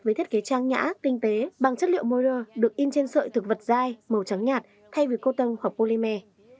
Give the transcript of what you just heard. với thiết kế trang nhã tinh tế bằng chất liệu moder được in trên sợi thực vật dai màu trắng nhạt thay vì cô tông hoặc polymer